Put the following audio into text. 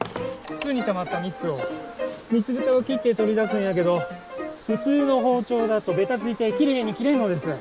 巣にたまった蜜を蜜ぶたを切って取り出すんやけど普通の包丁だとべたついてきれいに切れんのです。